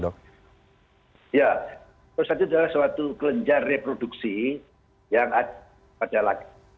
prostat dan fungsi dari prostat sendiri dok ya itu adalah suatu kelenjar reproduksi yang ada